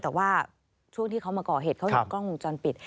แต่ว่าช่วงที่เขามาก่อเหตุเขาเห็นกล้องวงจรปิด